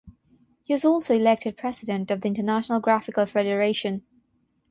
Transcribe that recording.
He was also elected president of the International Graphical Federation.